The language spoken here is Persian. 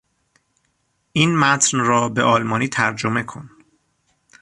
این متن را به آلمانی ترجمه کن.